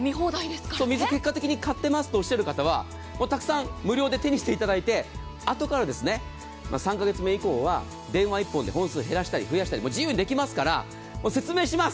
水、結果的に買ってますとおっしゃる方はたくさん無料で手にしていただいてあとから３か月目以降は電話１本で本数を減らしたり増やしたり自由にできますから説明します。